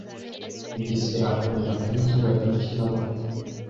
Bugesera hakunda kuba izuba ryinshi namapfa